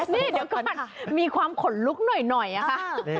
นี่เดี๋ยวก็มันมีความขนลุกหน่อยอะค่ะ